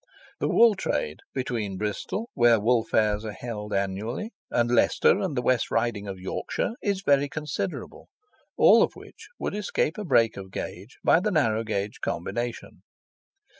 The wool trade between Bristol, where wool fairs are held annually, and Leicester and the West Riding of Yorkshire, is very considerable, all of which would escape a break of gauge by the narrow gauge combination.